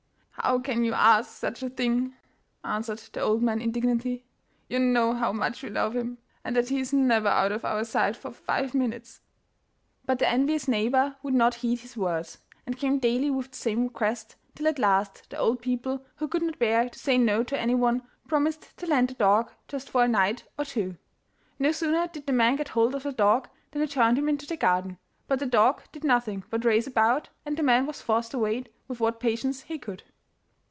'How can you ask such a thing?' answered the old man indignantly. 'You know how much we love him, and that he is never out of our sight for five minutes.' But the envious neighbour would not heed his words, and came daily with the same request, till at last the old people, who could not bear to say no to anyone, promised to lend the dog, just for a night or two. No sooner did the man get hold of the dog than he turned him into the garden, but the dog did nothing but race about, and the man was forced to wait with what patience he could.